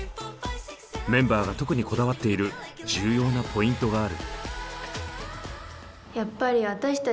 メンバーが特にこだわっている重要なポイントがある。